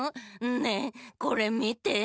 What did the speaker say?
ねえこれみて。